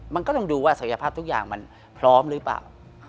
มันก็ต้องดูว่าศักยภาพทุกอย่างมันพร้อมหรือเปล่า